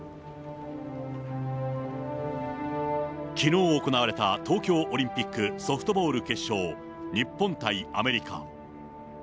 きのう行われた東京オリンピックソフトボール決勝、日本対アメリカ。